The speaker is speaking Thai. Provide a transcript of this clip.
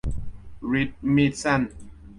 ฤทธิ์มีดสั้น